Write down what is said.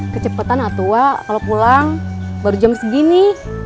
kecepetan atuh wak kalau pulang baru jam segini